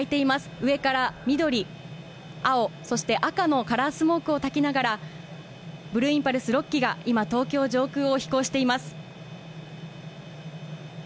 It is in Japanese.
上から緑、青、そして赤のカラースモークをたきながら、ブルーインパルス６機が今、東京上空を飛行しています。